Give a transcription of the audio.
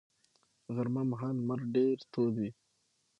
غرمه مهال لمر ډېر تود وي